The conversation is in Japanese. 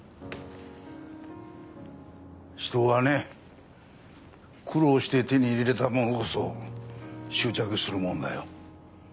人はね苦労して手に入れたものこそ執着するもんだよ。